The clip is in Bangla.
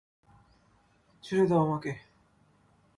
ছেড়ে দাও আমাকে।